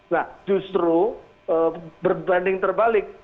nah justru berbanding terbalik